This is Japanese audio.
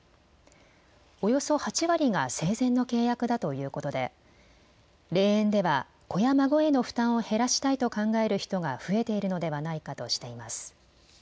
およそ８割が生前の契約だということで霊園では子や孫への負担を減らしたいと考える人が増えているのではないかとしています。